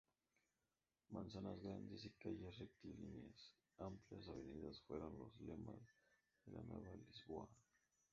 Manzanas grandes y calles rectilíneas, amplias avenidas fueron los lemas de la nueva Lisboa.